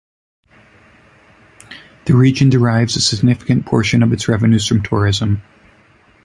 The region derives a significant portion of its revenues from tourism.